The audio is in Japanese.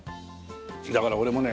だから俺もね